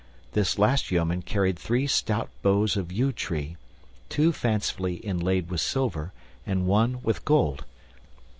This last yeoman carried three stout bows of yew tree, two fancifully inlaid with silver and one with gold.